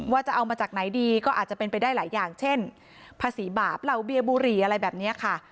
จะเอามาจากไหนดีก็อาจจะเป็นไปได้หลายอย่างเช่นภาษีบาปเหล่าเบียร์บุหรี่อะไรแบบนี้ค่ะ